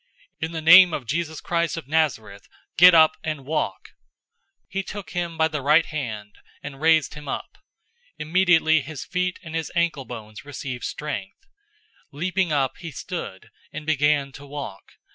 In the name of Jesus Christ of Nazareth, get up and walk!" 003:007 He took him by the right hand, and raised him up. Immediately his feet and his ankle bones received strength. 003:008 Leaping up, he stood, and began to walk.